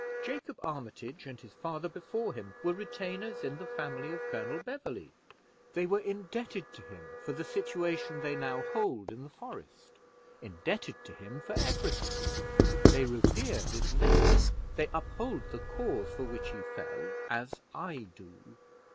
"Jacob Armitage, and his father before him, were retainers in the family of Colonel Beverley; they were indebted to him for the situation they held in the forest; indebted to him for every thing; they revere his name, they uphold the cause for which he fell, as I do."